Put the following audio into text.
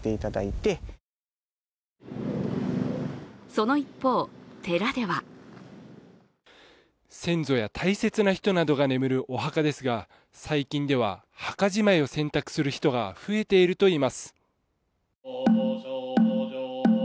その一方、寺では先祖や大切な人などが眠るお墓ですが最近では墓じまいを選択する人が増えているといいます。